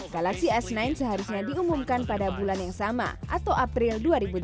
galaksi s sembilan seharusnya diumumkan pada bulan yang sama atau april dua ribu delapan belas